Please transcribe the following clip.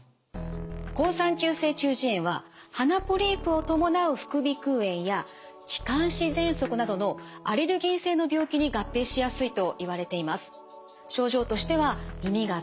好酸球性中耳炎は鼻ポリープを伴う副鼻くう炎や気管支ぜんそくなどのアレルギー性の病気に合併しやすいといわれています。